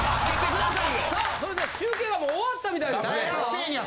それでは集計がもう終わったみたいですね。